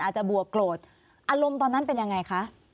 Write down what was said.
จะบวบโกรธอารมณ์ตอนนั้นเป็นยังไงคะ